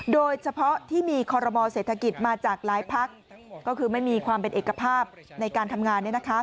โดยเฉพาะที่มีคอรมอเศรษฐกิจมาจากหลายพักก็คือไม่มีความเป็นเอกภาพในการทำงาน